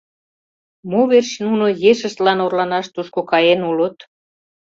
Мо верч нуно ешыштлан орланаш тушко каен улыт?..